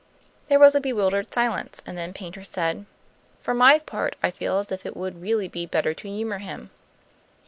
There was a bewildered silence, and then Paynter said: "For my part, I feel as if it would really be better to humor him."